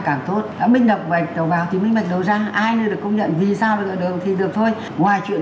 càng tốt mình đọc bạch đầu vào thì minh bạch đầu ra ai nữa được công nhận vì sao được thì được thôi ngoài chuyện